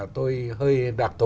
tôi hơi đặc thù